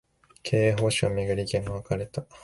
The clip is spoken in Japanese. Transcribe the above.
経営方針を巡り、意見が分かれた